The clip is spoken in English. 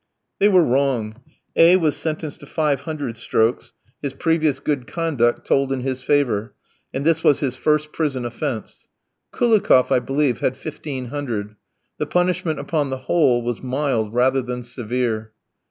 '" They were wrong. A v was sentenced to five hundred strokes, his previous good conduct told in his favour, and this was his first prison offence. Koulikoff, I believe, had fifteen hundred. The punishment, upon the whole, was mild rather than severe.